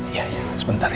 iya iya sebentar ya